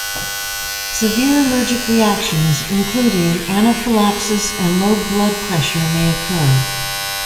Severe allergic reactions including anaphylaxis and low blood pressure may occur.